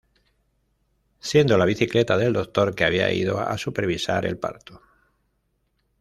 Siendo la bicicleta del doctor que había ido a supervisar el parto.